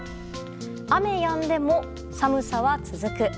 雨やんでも、寒さは続く。